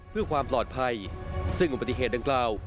เพื่อความปลอดภัยซึ่งอุบัติเหตุดังกล่าว